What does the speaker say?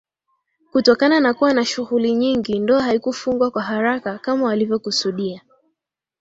Kutokana na kuwa na shughuli nyingi ndoa haikufungwa kwa haraka kama walivyokusudia